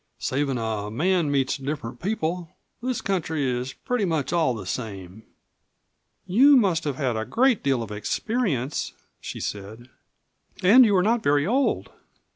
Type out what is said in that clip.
Savin' a man meets different people, this country is pretty much all the same." "You must have had a great deal of experience," she said. "And you are not very old."